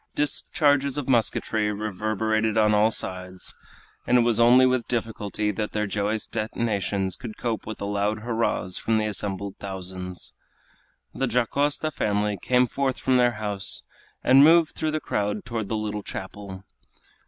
Discharges of musketry reverberated on all sides, and it was only with difficulty that their joyous detonations could cope with the loud hurrahs from the assembled thousands. The Dacosta family came forth from their house and moved through the crowd toward the little chapel.